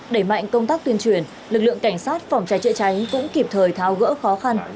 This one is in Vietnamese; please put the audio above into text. đẩy mạnh công tác tuyên truyền lực lượng cảnh sát phòng cháy chữa cháy cũng kịp thời tháo gỡ khó khăn